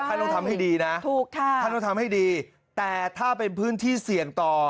ท่านต้องทำให้ดีนะถูกค่ะท่านต้องทำให้ดีแต่ถ้าเป็นพื้นที่เสี่ยงต่อ